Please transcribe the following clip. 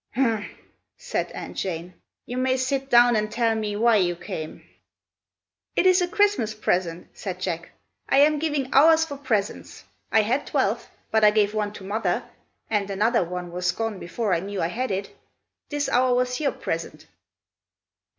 "Humph!" said Aunt Jane. "You may sit down and tell me why you came." "It is a Christmas present!" said Jack. "I am giving hours for presents. I had twelve, but I gave one to Mother, and another one was gone before I knew I had it. This hour was your present."